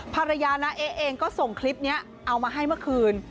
ภรรยาน้าเอ๊เองก็ส่งคลิปนี้เอามาให้เมื่อคืน